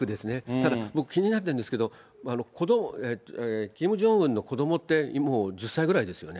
ただ僕、気になってるんですけど、キム・ジョンウンの子どもって、もう１０歳ぐらいですよね。